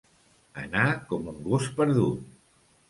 Anar com un gos perdut.